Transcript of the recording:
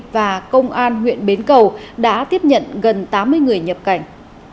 và công an huyện bến cầu đã tiếp nhận gần tám mươi người nhập cảnh